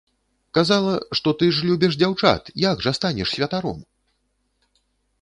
Казала, што, ты ж любіш дзяўчат, як жа станеш святаром?!